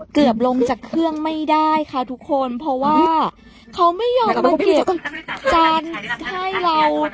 เกือบลงจากเครื่องไม่ได้ค่ะทุกคนมันไม่ยอมมาเก็บชนั่นให้เรา